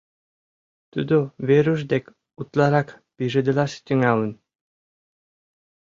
Тудо Веруш дек утларак пижедылаш тӱҥалын.